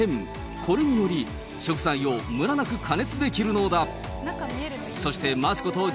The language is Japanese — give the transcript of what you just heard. これにより、食材をむらなく加熱できるのだ。